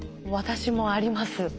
私もあります。